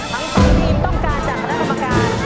ทั้งสองทีมต้องการจากคณะกรรมการ